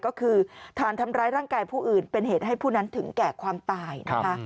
ก็คือฐานทำร้ายร่างกายผู้อื่นเป็นเหตุให้ผู้นั้นถึงแก่ความตายนะคะ